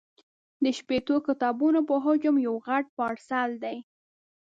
د شپېتو کتابونو په حجم یو غټ پارسل دی.